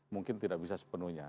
mungkin tidak bisa sepenuhnya